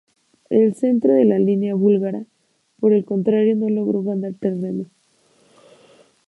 El centro de la línea búlgara, por el contrario, no logró ganar terreno.